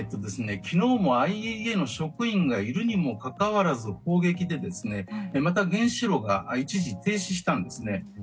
昨日もＩＡＥＡの職員がいるにもかかわらず砲撃で、また原子炉が一時停止したんですね。